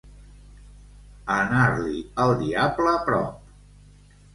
Anar-li el diable prop.